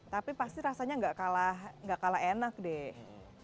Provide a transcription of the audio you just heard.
tapi pasti rasanya nggak kalah enak deh